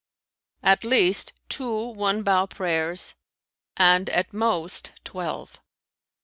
"At least, two one bow prayers and at most, twelve."